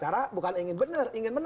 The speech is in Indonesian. atau huruf d